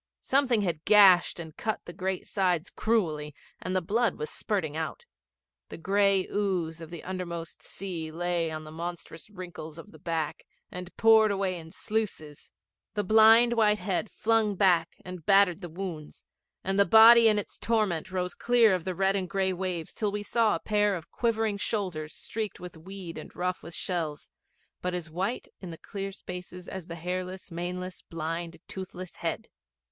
Something had gashed and cut the great sides cruelly and the blood was spurting out. The gray ooze of the undermost sea lay in the monstrous wrinkles of the back, and poured away in sluices. The blind white head flung back and battered the wounds, and the body in its torment rose clear of the red and gray waves till we saw a pair of quivering shoulders streaked with weed and rough with shells, but as white in the clear spaces as the hairless, maneless, blind, toothless head.